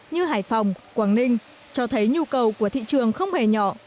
như hải phòng quảng ninh cho thấy nhu cầu của thị trường không hề nhỏ